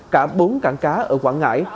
cả bốn cảng cá ở quảng ngãi